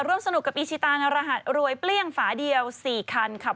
ร่วมสนุกกับอิชตันรหัสรวยเปลี่ยงฝาเดียว๔คันค่ะ